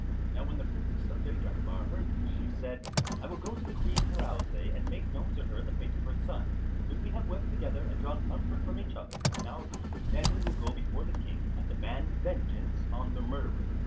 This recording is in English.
] Now when the Princess of Deryabar heard this, she said, "I will go to the Queen Pirouzè and make known to her the fate of her son, and when we have wept together and drawn comfort from each other in our grief then we will go before the King, and demand vengeance on the murderers."